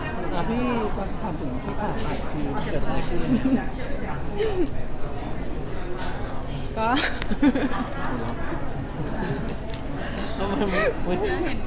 อเจมส์ว่าความสนุกที่เกิดขึ้นอยู่ในความสนุกที่เกิดขึ้น